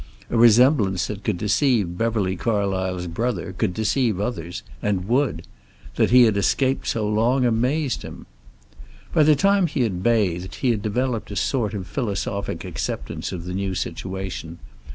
A resemblance that could deceive Beverly Carlysle's brother could deceive others, and would. That he had escaped so long amazed him. By the time he had bathed he had developed a sort of philosophic acceptance of the new situation.